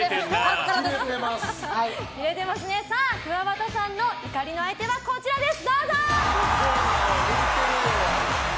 くわばたさんの怒りの相手はこちらです！